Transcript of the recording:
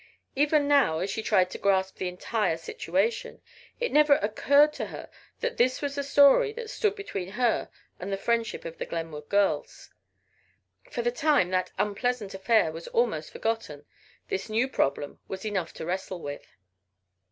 Even now, as she tried to grasp the entire situation, it never occurred to her that this was the story that stood between her and the friendship of the Glenwood girls. For the time that unpleasant affair was almost forgotten this new problem was enough to wrestle with.